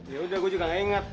ya udah gue juga gak inget